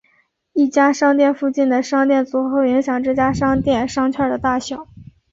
一家商店附近的商店组合会影响这家商店的商圈大小。